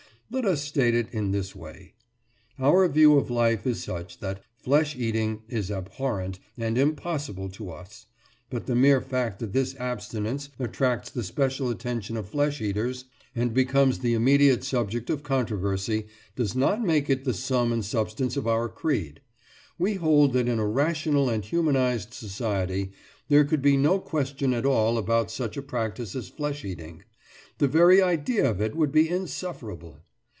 Let us state it in this way: Our view of life is such that flesh eating is abhorrent and impossible to us; but the mere fact that this abstinence attracts the special attention of flesh eaters, and becomes the immediate subject of controversy, does not make it the sum and substance of our creed. We hold that in a rational and humanised society there could be no question at all about such a practice as flesh eating; the very idea of it would be insufferable.